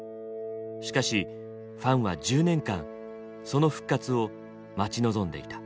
しかしファンは１０年間その復活を待ち望んでいた。